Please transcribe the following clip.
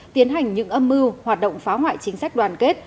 tiến hành những âm mưu hoạt động phá hoại chính sách đoàn kết